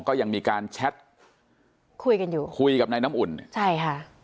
ก็ยังมีการแชทคุยกันอยู่คุยกับนายน้ำอุ่นใช่ค่ะ